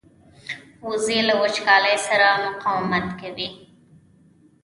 وزې له وچکالۍ سره مقاومت کوي